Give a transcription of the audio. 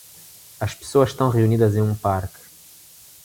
As pessoas estão reunidas em um parque.